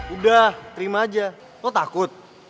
udah terima aja kok takut